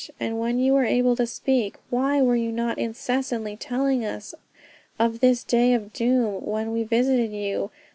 And when you were able to speak, why were you not incessantly telling us of this day of doom, when we visited you?